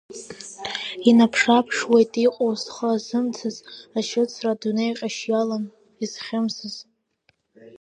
Инаԥшааԥшуеит иҟоу зхы азымцаз, ашьыцра адунеи ҟьашь иалам, изхьымсыз.